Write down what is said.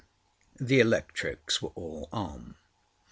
The electrics were all on.